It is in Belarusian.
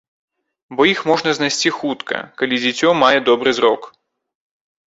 Бо іх можна знайсці хутка, калі дзіцё мае добры зрок.